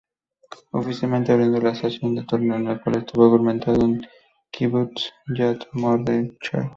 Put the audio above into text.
Oficialmente abriendo la estación de torneo, el cual estuvo aguantado en Kibbutz Yad Mordechai.